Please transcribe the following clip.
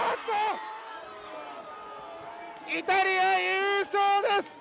イタリア優勝です！